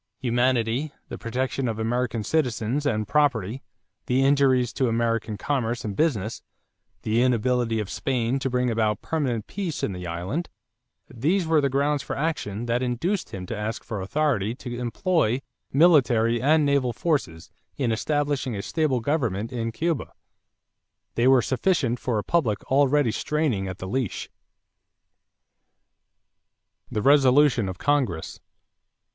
Humanity, the protection of American citizens and property, the injuries to American commerce and business, the inability of Spain to bring about permanent peace in the island these were the grounds for action that induced him to ask for authority to employ military and naval forces in establishing a stable government in Cuba. They were sufficient for a public already straining at the leash. =The Resolution of Congress.